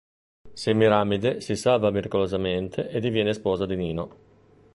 Semiramide si salva miracolosamente e diviene sposa di Nino.